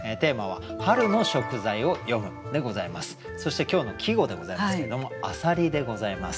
そして今日の季語でございますけれども「浅蜊」でございます。